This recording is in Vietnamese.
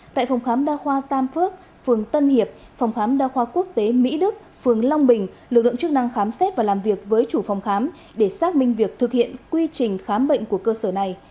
tại phòng khám đa khoa tam phước phường tân hiệp phòng khám đa khoa quốc tế mỹ đức phường long bình lực lượng chức năng khám xét và làm việc với chủ phòng khám để xác minh việc thực hiện quy trình khám bệnh của cơ sở này